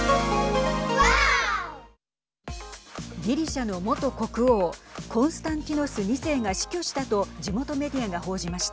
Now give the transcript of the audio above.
ギリシャの元国王コンスタンティノス２世が死去したと地元メディアが報じました。